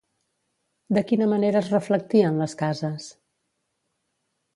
De quina manera es reflectia en les cases?